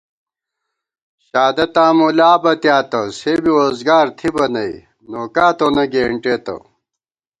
شادَتاں مُلا بَتیاتہ، سےبی ووزگار تھِبہ نئ نوکا تونہ گېنٹېتہ